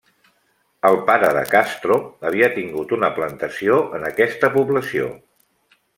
El pare de Castro havia tingut una plantació en aquesta població.